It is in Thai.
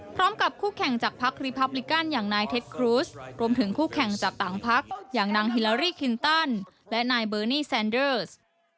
คู่แข่งจากพักรีพับลิกันอย่างนายเท็จครูสรวมถึงคู่แข่งจากต่างพักอย่างนางฮิลารี่คินตันและนายเบอร์นี่แซนเดอร์ส